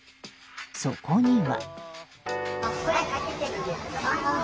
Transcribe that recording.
そこには。